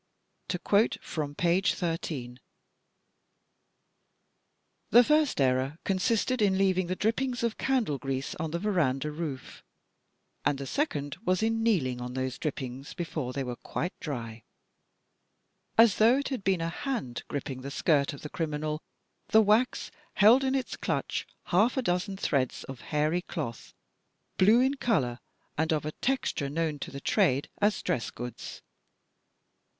To quote from page 13: "The first error consisted in leaving the drippings of candle grease on the veranda roof, and the second was in kneeling on those drip pings before they were quite dry. As though it had been a hand gripping the skirt of the criminal, that wax held in its clutch, half a dozen threads of a hairy cloth, blue in color, and of a texture known to the trade as dress goods.